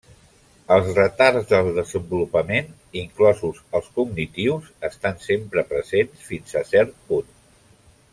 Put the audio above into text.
Els retards del desenvolupament, inclosos els cognitius, estan sempre presents fins a cert punt.